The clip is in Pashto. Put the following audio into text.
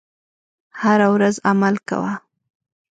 هره ورځ عمل کوه .